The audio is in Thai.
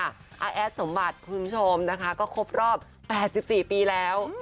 อาแอดสมบัติคุณผู้ชมนะคะก็ครบรอบ๘๔ปีแล้ว